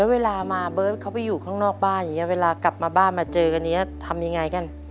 เวลามาเบิร์ตเขาไปอยู่ข้างนอกบ้านอย่างนี้เวลากลับมาบ้านมาเจอกันนี้ทำยังไงกัน